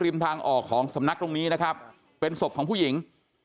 ทางออกของสำนักตรงนี้นะครับเป็นศพของผู้หญิง